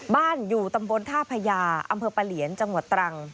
อยู่ตำบลท่าพญาอำเภอปะเหลียนจังหวัดตรัง